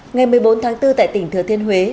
ngày một mươi bốn tháng bốn tại tỉnh thừa thiên huế